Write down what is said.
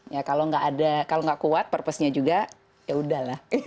ya kalau nggak ada kalau nggak kuat purpose nya juga yaudah lah